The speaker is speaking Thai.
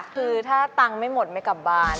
คือถ้าตังค์ไม่หมดไม่กลับบ้าน